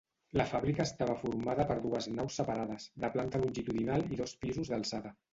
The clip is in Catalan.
La fàbrica estava formada per dues naus separades, de planta longitudinal i dos pisos d'alçada.